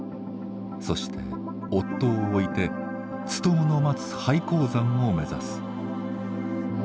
そして夫を置いてツトムの待つ廃鉱山を目指す。